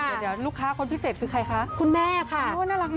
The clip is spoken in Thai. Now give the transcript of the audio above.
เดี๋ยวลูกค้าคนพิเศษคือใครคะ